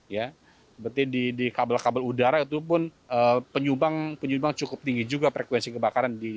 ya seperti di kabel kabel udara itu pun penyumbang cukup tinggi juga frekuensi kebakaran